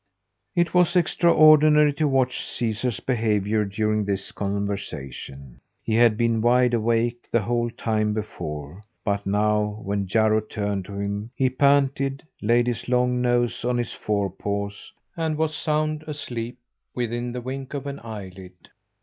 It was extraordinary to watch Caesar's behaviour during this conversation. He had been wide awake the whole time before, but now, when Jarro turned to him, he panted, laid his long nose on his forepaws, and was sound asleep within the wink of an eyelid.